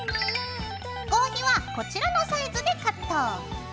合皮はこちらのサイズでカット。